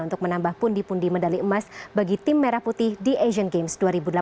untuk menambah pundi pundi medali emas bagi tim merah putih di asian games dua ribu delapan belas